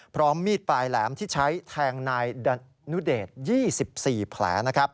พร้อมมีดปลายแหลมที่ใช้แทงนายนุเดช๒๔แผล